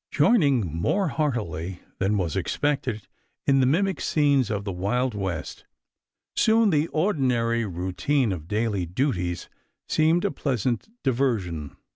Joining more heartily than was expected in the mimic scenes of the Wild West, soon the ordinary routine of daily duties seemed a pleasant diversion.